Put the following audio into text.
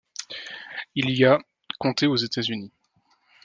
Il y a comtés aux États-Unis.